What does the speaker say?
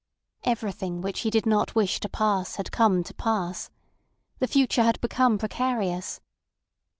Everything which he did not wish to pass had come to pass. The future had become precarious.